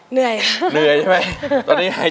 เหนื่อย